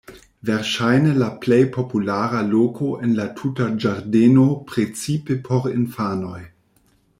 Verŝajne la plej populara loko en la tuta ĝardeno, precipe por infanoj.